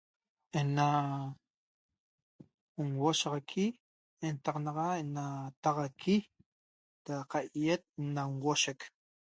Ena nhuoshaxaqui ntaxanaxa ena taxaqui ra qaie't na nhuoshec